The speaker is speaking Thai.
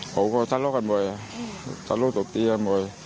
เขาก็สัดละกันบ่อยสัดละจบเตียงบ่อย